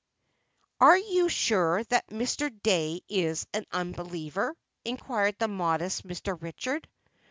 "Are you sure that Mr. Dey is an unbeliever?" inquired the modest Mr. Richard.